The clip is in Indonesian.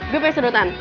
gue punya serutan